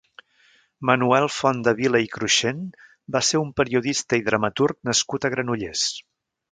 Manuel Fontdevila i Cruixent va ser un periodista i dramaturg nascut a Granollers.